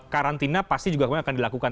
karantina pasti juga akan dilakukan